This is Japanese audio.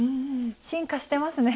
進化してますね。